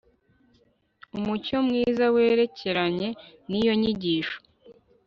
umucyo mwiza werekeranye niyo nyigisho